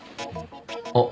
あっ。